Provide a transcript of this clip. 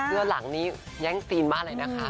เพราะหลังนี้แย้งทีมมากเลยนะคะ